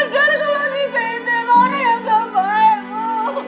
nanti jahat kalau nisa itu orang yang gak baik bu